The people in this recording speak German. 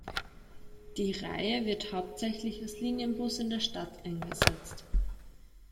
Die Reihe wird hauptsächlich als Linienbus in der Stadt eingesetzt.